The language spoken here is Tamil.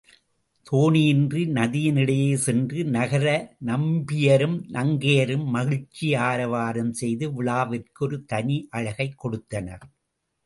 தோணியேறி நதியினிடையே சென்று நகர நம்பியரும் நங்கையரும் மகிழ்ச்சி ஆரவாரம் செய்து விழாவிற்கு ஒரு தனி அழகைக் கொடுத்தனர்.